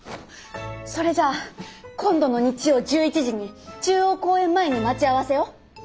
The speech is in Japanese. それじゃあ今度の日曜１１時に中央公園前に待ち合わせよ。